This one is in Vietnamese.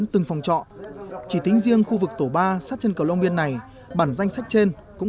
từng phòng trọ chỉ tính riêng khu vực tổ ba sát chân cầu long biên này bản danh sách trên cũng